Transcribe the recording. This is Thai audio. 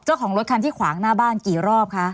เจ้าของรถคันขวางที่หน้าบ้านเกี่ยวรอบค่ะ